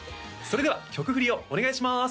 それでは曲振りをお願いします